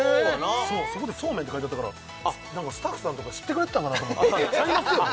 そこで「そうめん」って書いてあったからスタッフさんとか知ってくれてたんかなと思ってちゃいますよね？